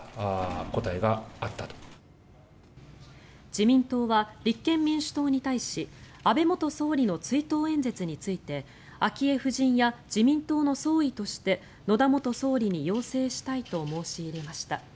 自民党は立憲民主党に対し安倍元総理の追悼演説について昭恵夫人や自民党の総意として野田元総理に要請したいと申し入れました。